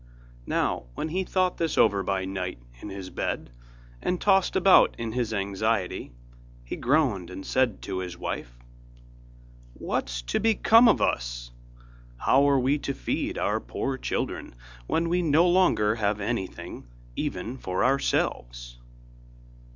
Now when he thought over this by night in his bed, and tossed about in his anxiety, he groaned and said to his wife: 'What is to become of us? How are we to feed our poor children, when we no longer have anything even for ourselves?